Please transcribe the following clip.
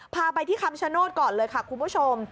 พาไปที่คำชโนธก่อนเลยค่ะคุณผู้ชม